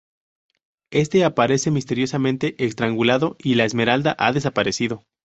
Éste aparece misteriosamente estrangulado y la esmeralda ha desaparecido.